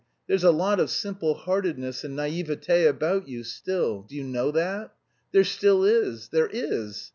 There's a lot of simpleheartedness and naïveté about you still. Do you know that? There still is, there is!